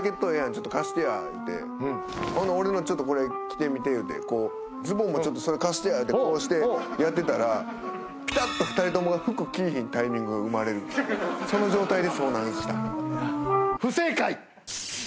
ちょっと貸してや言うてほんで俺のちょっとこれ着てみていうてズボンもちょっとそれ貸してやいうてこうしてやってたらピタッと２人ともが服着いひんタイミングが生まれる不正解！